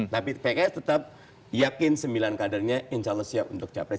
tapi pks tetap yakin sembilan kadernya insya allah siap untuk capres